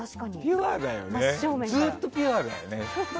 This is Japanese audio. ずっとピュアだよね。